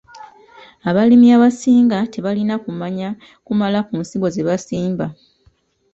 Abalimi abasinga tebalina kumanya kumala ku nsigo ze basimba.